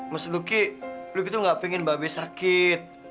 mas luki luki tuh enggak pingin mbak be sakit